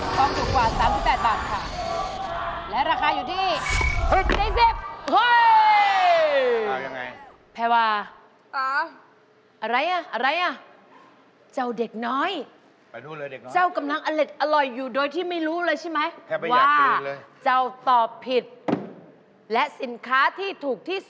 ต้องถูกกว่า๓๘บาทค่ะและราคาอยู่ที่๑ใน๑๕